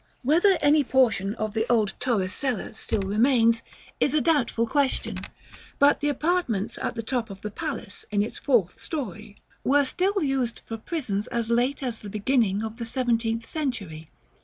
Whether any portion of the old Torresella still remains is a doubtful question; but the apartments at the top of the palace, in its fourth story, were still used for prisons as late as the beginning of the seventeenth century.